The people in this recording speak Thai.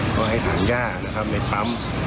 ก็ให้หางย่านะครับในปั๊ม